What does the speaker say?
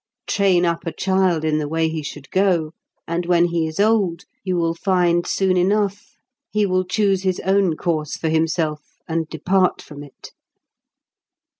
Train up a child in the way he should go, and when he is old, you will find soon enough he will choose his own course for himself and depart from it.